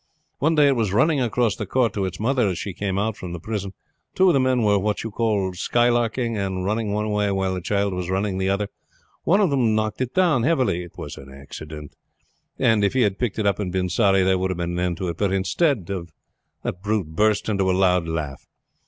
"One day it was running across the court to its mother as she came out from the prison. Two of the men were what you call skylarking, and running one way while the child was running the other. One of them knocked it down heavily. It was an accident, and if he had picked it up and been sorry, there would have been an end of it; but instead of that the brute burst into a loud laugh.